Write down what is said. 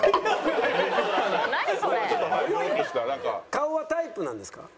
顔はタイプなんですか？